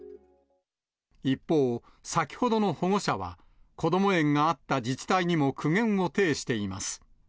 一方、先ほどの保護者は、こども園があった自治体にも苦言を呈しています。